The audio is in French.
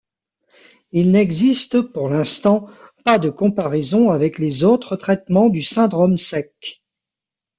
Il n'existe, pour l'instant pas de comparaison avec les autres traitements du syndrome sec.